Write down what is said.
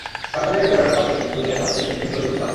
কাঁটাতারের বেড়ার ফাঁকে দূরে দেখা যাচ্ছে টিম টিম করে জ্বলছে আলো।